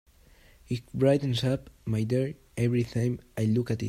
It brightens up my day every time I look at it.